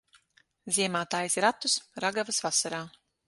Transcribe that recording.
Ziemā taisi ratus, ragavas vasarā.